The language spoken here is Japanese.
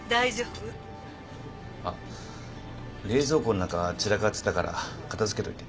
あっ冷蔵庫の中散らかってたから片付けといて